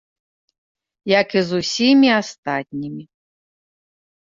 Як і з усімі астатнімі.